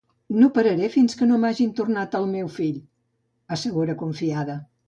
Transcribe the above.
No pararé fins que no m’hagin tornat el meu fill, assegura confiada.